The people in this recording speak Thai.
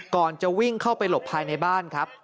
ก่อนจะวิ่งเข้าไปหลบภายในบ้านครับ